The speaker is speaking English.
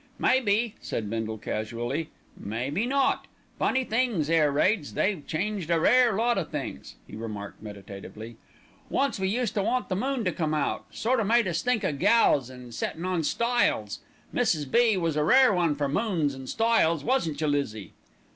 "May be," said Bindle casually, "may be not. Funny things, air raids, they've changed a rare lot o' things," he remarked meditatively. "Once we used to want the moon to come out, sort o' made us think of gals and settin' on stiles. Mrs. B. was a rare one for moons and stiles, wasn't you, Lizzie?"